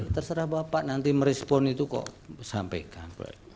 terserah bapak nanti merespon itu kok sampaikan